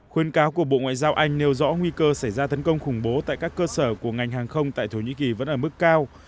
khuyên cáo của bộ ngoại giao anh nêu rõ nguy cơ xảy ra tấn công khủng bố tại các cơ sở của ngành hàng không tại thổ nhĩ kỳ vẫn ở mức cao